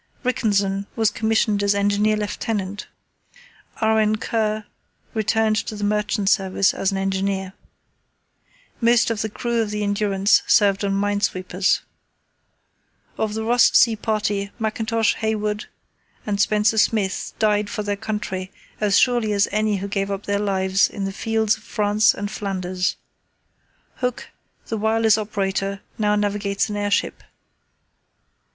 Rickenson was commissioned as Engineer Lieutenant, R.N. Kerr returned to the Merchant Service as an engineer. Most of the crew of the Endurance served on minesweepers. Of the Ross Sea Party, Mackintosh, Hayward, and Spencer Smith died for their country as surely as any who gave up their lives on the fields of France and Flanders. Hooke, the wireless operator, now navigates an airship.